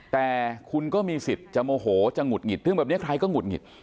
แต่คุณก็มีสิทธิ์จะโมโหจะหงุดหงิดเรื่องแบบนี้ใครก็หงุดหงิด